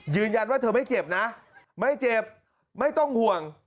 ยืนยันว่าเธอไม่เจ็บนะไม่เจ็บไม่ต้องห่วง